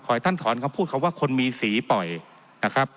ให้ท่านถอนคำพูดคำว่าคนมีสีปล่อยนะครับ